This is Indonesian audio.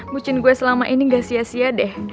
mungkin gue selama ini gak sia sia deh